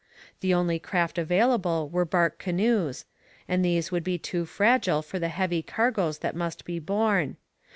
The only craft available were bark canoes, and these would be too fragile for the heavy cargoes that must be borne.